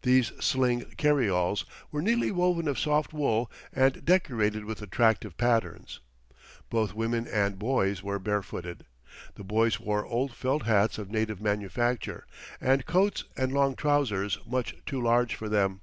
These sling carry alls were neatly woven of soft wool and decorated with attractive patterns. Both women and boys were barefooted. The boys wore old felt hats of native manufacture, and coats and long trousers much too large for them.